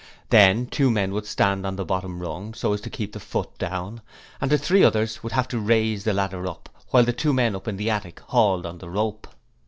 Then two men would stand on the bottom rung, so as to keep the 'foot' down, and the three others would have to raise the ladder up, while the two men up in the attic hauled on the rope.